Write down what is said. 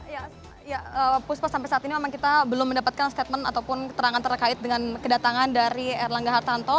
ya puspa sampai saat ini memang kita belum mendapatkan statement ataupun keterangan terkait dengan kedatangan dari erlangga hartanto